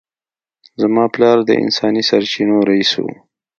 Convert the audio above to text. زما پلار د انساني سرچینو رییس و